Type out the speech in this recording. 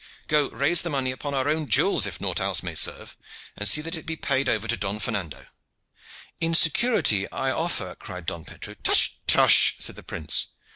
Go, raise this money upon our own jewels, if nought else may serve, and see that it be paid over to Don Fernando." "In security I offer " cried Don Pedro. "Tush! tush!" said the prince.